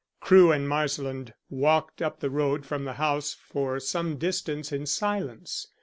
Crewe and Marsland walked up the road from the house for some distance in silence.